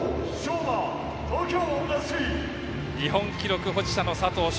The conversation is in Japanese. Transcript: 日本記録保持者の佐藤翔